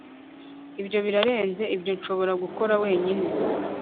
ibyo birarenze ibyo nshobora gukora wenyine